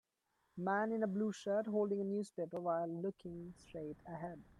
Man in a blue shirt, holding a newspaper while looking straight ahead.